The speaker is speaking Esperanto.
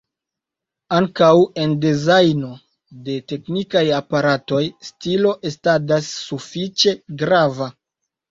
Ankaŭ en dezajno de teknikaj aparatoj stilo estadas sufiĉe grava.